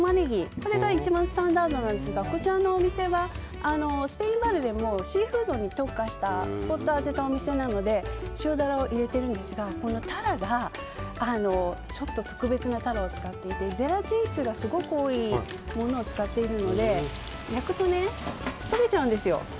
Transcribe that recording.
これが一番スタンダードなんですがこちらのお店はスペインバルでもシーフードに特化したスポットを当てたお店なので塩鱈を入れているんですがこのタラがちょっと特別なタラを使っていてゼラチン質がすごく多いものを使っているので焼くとね、溶けちゃうんですよ。